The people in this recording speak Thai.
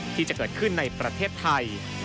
ที่จะเกิดขึ้นในประเทศไทย